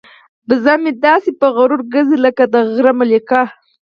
وزه مې داسې په غرور ګرځي لکه د غره ملکه.